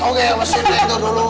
oke ya masinnya itu dulu